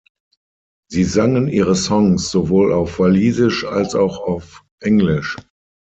Sie sangen ihre Songs sowohl auf Walisisch als auch auf Englisch.